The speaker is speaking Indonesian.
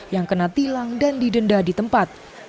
yang kena tilang dan didenda di tempat